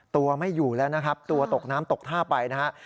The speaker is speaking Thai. ตัวไม่อยู่แล้วนะครับตัวตกน้ำตกท่าไปนะครับ